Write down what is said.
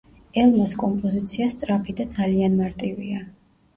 ელმას კომპოზიცია სწრაფი და ძალიან მარტივია.